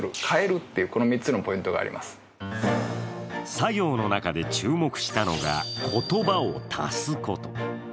作業の中で注目したのが言葉を足すこと。